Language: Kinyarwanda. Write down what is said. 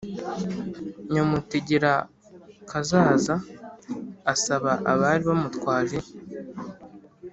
nyamutegerakazaza asaba abari bamutwaje